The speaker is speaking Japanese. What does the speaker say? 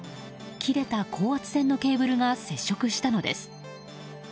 切れた高圧線のケーブルが接触したのです。